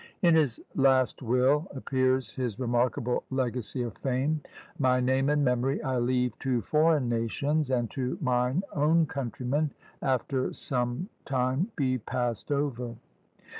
In his last will appears his remarkable legacy of fame. "My name and memory I leave to foreign nations, and to mine own countrymen, AFTER SOME TIME BE PAST OVER."